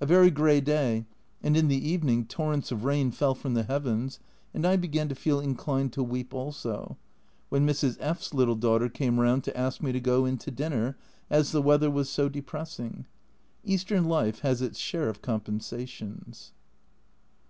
A very grey day and in the evening torrents of rain fell from the heavens, and I began to feel inclined to weep also, when Mrs. F 's little daughter came round to ask me to go in to dinner, as the weather was so depressing. Eastern life has its share of compensations.